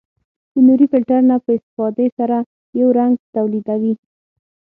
د نوري فلټر نه په استفادې سره یو رنګ تولیدوي.